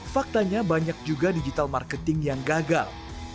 faktanya banyak juga digital marketing yang gagal